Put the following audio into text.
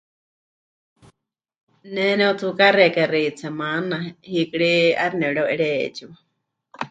Ne nepɨtsuukaxiekai xeitsemaana, hiikɨ ri 'aixɨ nepɨreu'erie 'eetsiwa.